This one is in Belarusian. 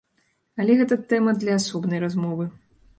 Але гэта тэма для асобнай размовы.